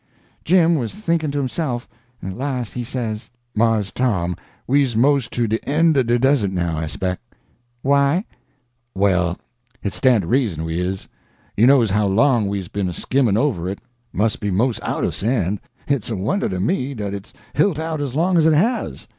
Jim was thinking to himself, and at last he says: "Mars Tom, we's mos' to de end er de Desert now, I speck." "Why?" "Well, hit stan' to reason we is. You knows how long we's been a skimmin' over it. Mus' be mos' out o' san'. Hit's a wonder to me dat it's hilt out as long as it has."